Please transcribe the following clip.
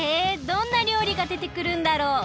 どんなりょうりがでてくるんだろう。